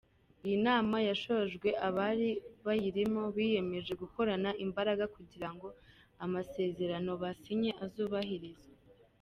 Iyi nama yashojwe abari bayirimo biyemeje gukorana imbaraga kugirango amasezerano basinye azubahirizwe.